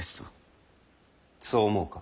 そう思うか？